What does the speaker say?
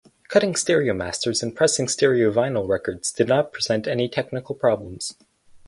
Cutting stereo masters and pressing stereo vinyl records did not present any technical problems.